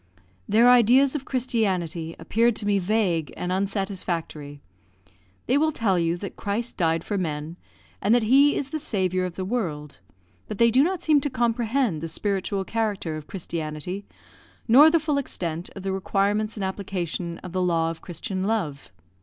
Their ideas of Christianity appeared to me vague and unsatisfactory. They will tell you that Christ died for men, and that He is the Saviour of the World, but they do not seem to comprehend the spiritual character of Christianity, nor the full extent of the requirements and application of the law of Christian love.